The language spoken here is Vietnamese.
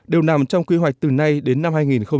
đều nằm trong quy hoạch từ nay đến năm hai nghìn ba mươi